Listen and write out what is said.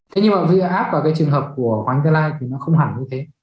thế nhưng mà áp vào cái trường hợp của hoàng anh gia lai thì nó không hẳn như thế